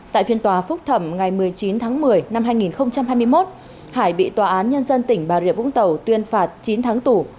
tại phiên tòa phúc thẩm ngày một mươi chín tháng một mươi năm hai nghìn hai mươi một hải bị tòa án nhân dân tỉnh bà rịa vũng tàu tuyên phạt chín tháng tù